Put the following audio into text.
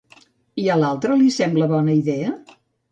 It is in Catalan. I a l'altre li sembla bona idea?